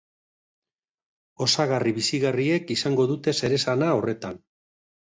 Osagarri bizigarriek izango dute zeresana horretan.